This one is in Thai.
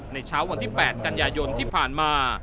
เช้าวันที่๘กันยายนที่ผ่านมา